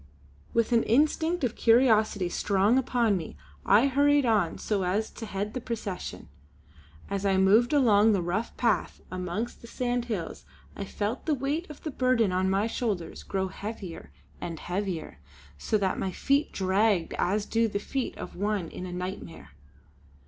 With an instinct of curiosity strong upon me I hurried on so as to head the procession. As I moved along the rough path amongst the sandhills I felt the weight of the burden on my shoulders grow heavier and heavier, so that my feet dragged as do the feet of one in a night mare.